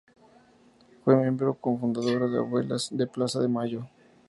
Fue miembro cofundadora de Abuelas de Plaza de Mayo.